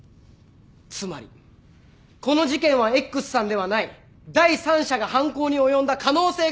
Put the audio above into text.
つまりこの事件はＸさんではない第三者が犯行に及んだ可能性があるということです。